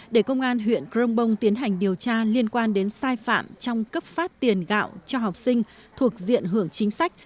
để công an huyện crong bông tiến hành điều tra liên quan đến sai phạm trong cấp phát tiền gạo cho học sinh thuộc diện hưởng chính sách